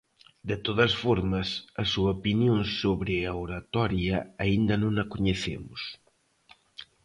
De todas formas, a súa opinión sobre a oratoria aínda non a coñecemos.